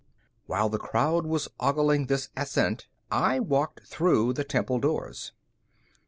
While the crowd was ogling this ascent, I walked through the temple doors.